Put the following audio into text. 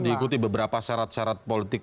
diikuti beberapa syarat syarat politik